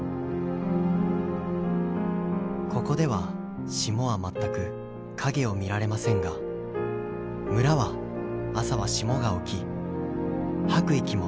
「ここでは霜は全く影を見られませんが村は朝は霜が置き吐く息も真っ白く凍る頃ですね。